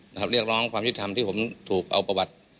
เรียกร้องความยุติธรรมที่ผมถูกเอาประวัติ